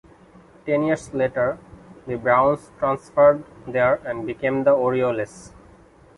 Ten years later, the Browns transferred there and became the Orioles.